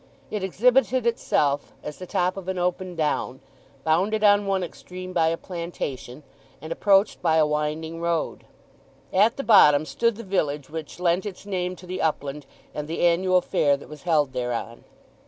It exhibited itself as the top of an open down, bounded on one extreme by a plantation, and approached by a winding road. At the bottom stood the village which lent its name to the upland and the annual fair that was held thereon.